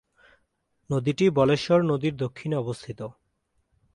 নদীটি বলেশ্বর নদীর দক্ষিণে অবস্থিত।